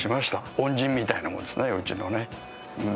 恩人みたいなもんですね、うちのね。